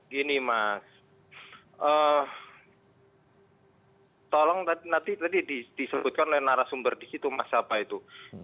gini mas tolong nanti tadi disebutkan oleh narasumber di situ mas apa itu